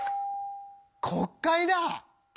国会だ！